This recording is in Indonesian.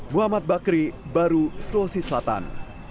muhammad bakri baru sulawesi selatan